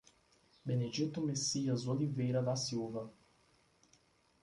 Benedito Messias Oliveira da Silva